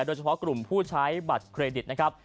โดยเฉพาะกลุ่มผู้ใช้บัตรเครดิตนะครับ